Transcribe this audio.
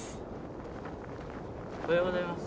おはようございます。